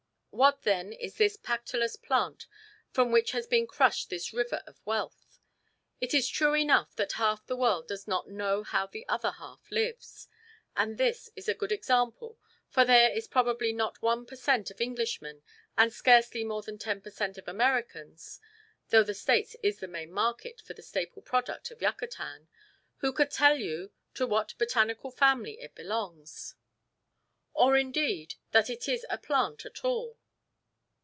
What then is this Pactolus plant from which has been crushed this river of wealth? It is true enough that half the world does not know how the other half lives, and this is a good example, for there is probably not 1 per cent. of Englishmen, and scarcely more than 10 per cent. of Americans (though the States is the main market for the staple product of Yucatan) who could tell you to what botanical family it belongs, or indeed that it is a plant at all.